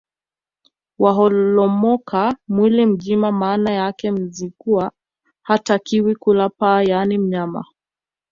Waholomoka mwili mjima Maana yake Mzigua hatakiwi kula paa yaani mnyama